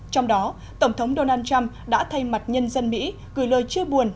trong đó tổng thống donald trump đã thay mặt nhân dân mỹ gửi lời chia buồn